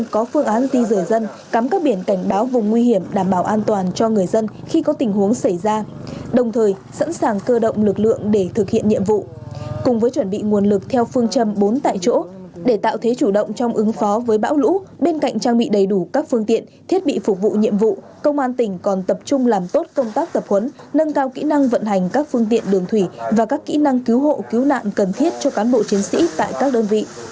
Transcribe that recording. công an ti rời dân cắm các biển cảnh báo vùng nguy hiểm đảm bảo an toàn cho người dân khi có tình huống xảy ra đồng thời sẵn sàng cơ động lực lượng để thực hiện nhiệm vụ cùng với chuẩn bị nguồn lực theo phương châm bốn tại chỗ để tạo thế chủ động trong ứng phó với bão lũ bên cạnh trang bị đầy đủ các phương tiện thiết bị phục vụ nhiệm vụ công an tỉnh còn tập trung làm tốt công tác tập huấn nâng cao kỹ năng vận hành các phương tiện đường thủy và các kỹ năng cứu hộ cứu nạn cần thiết cho cán bộ chiến sĩ tại các đơn vị